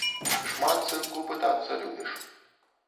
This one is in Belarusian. Шмат, сынку, пытацца любіш.